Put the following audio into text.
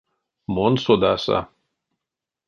Мон содаса.